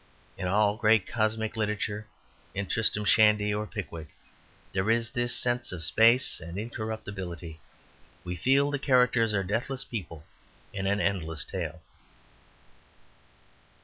In all great comic literature, in "Tristram Shandy" or "Pickwick", there is this sense of space and incorruptibility; we feel the characters are deathless people in an endless tale.